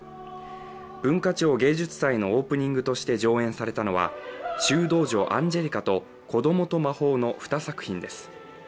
文化庁芸術祭のオープニングとして上演されたのは「修道女アンジェリカ」と「子どもと魔法」の２作品です。